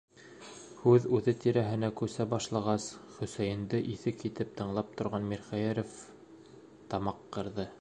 Һүҙ үҙе тирәһенә күсә башлағас, Хөсәйенде иҫе китеп тыңлап торған Мирхәйҙәров тамаҡ ҡырҙы: